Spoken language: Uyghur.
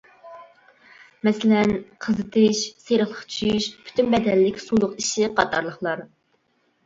مەسىلەن، قىزىتىش، سېرىقلىق چۈشۈش، پۈتۈن بەدەنلىك سۇلۇق ئىششىق قاتارلىقلار.